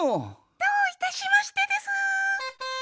どういたしましてでスー。